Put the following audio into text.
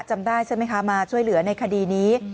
จำได้ใช่ไหมคะมาช่วยเหลือในคดีนี้